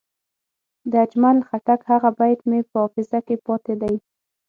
د اجمل خټک هغه بیت مې په حافظه کې پاتې دی.